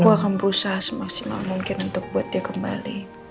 aku akan berusaha semaksimal mungkin untuk buat dia kembali